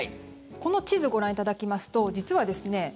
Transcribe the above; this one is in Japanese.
この地図、ご覧いただきますと実はですね、